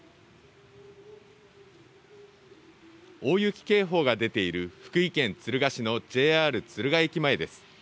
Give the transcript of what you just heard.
大雪警報が出ている福井県敦賀市のＪＲ敦賀駅前です。